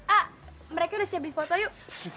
a mereka udah siap beli foto yuk